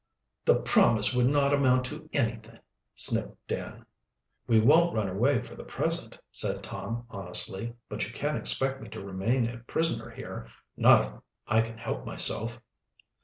"The promise would not amount to anything!" sniffed Dan. "We won't run away for the present," said Tom honestly. "But you can't expect me to remain a prisoner here not if I can help myself."